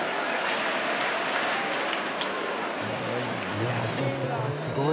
いやちょっとこれすごい。